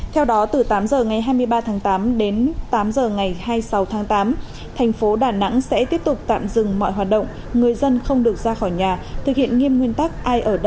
theo đó từ tám giờ ngày hai mươi ba tháng tám đến tám giờ ngày hai mươi sáu tháng tám thành phố đà nẵng sẽ tiếp tục tạm dừng mọi hoạt động người dân không được ra khỏi nhà thực hiện nghiêm nguyên tắc ai ở đâu ở uyên đó